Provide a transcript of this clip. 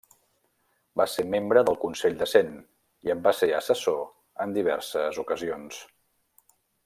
Va ser membre del Consell de Cent i en va ser assessor en diverses ocasions.